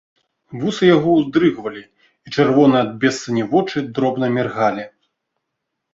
Вусы яго ўздрыгвалі, і чырвоныя ад бессані вочы дробна міргалі.